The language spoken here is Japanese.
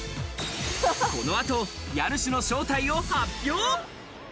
この後、家主の正体を発表。